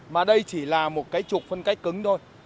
mà đây chỉ là một cái trục phân cách cứng thôi